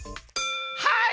はい！